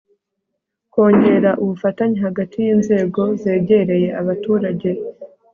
kongera ubufatanye hagati y inzego zegereye abaturage